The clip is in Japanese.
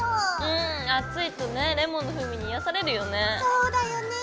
うん暑いとねレモンの風味に癒やされるよね。